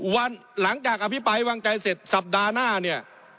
วันหลังจากอภิปรายวางใจเสร็จสัปดาห์หน้าเนี่ย